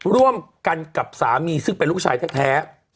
ร่วมกันกับสามีซึ่งเป็นลูกชายแท้